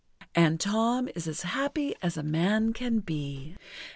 And Tom is as happy as a man can be!